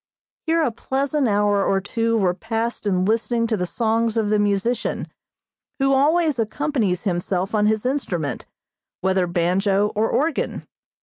Here a pleasant hour or two were passed in listening to the songs of the musician, who always accompanies himself on his instrument, whether banjo or organ.